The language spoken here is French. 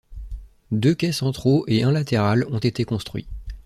Deux quais centraux et un latéral ont été construits.